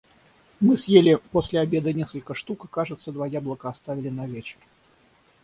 Мы съели после обеда несколько штук и, кажется, два яблока оставили на вечер.